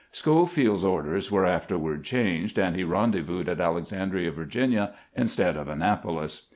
Scbofleld's orders were afterward changed, and he rendezvoused at Alexandria, Virginia, instead of Annapolis.